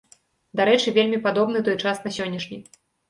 Дарэчы, вельмі падобны той час на сённяшні.